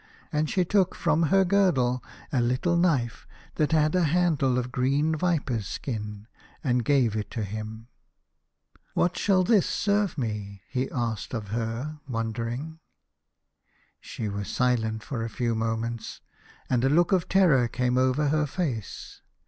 And she took from her girdle a little knife that had a handle of green viper's skin, and gave it to him. " What shall this serve me ?" he asked of her wondering. She was silent for a few moments, and a look of terror came over her face.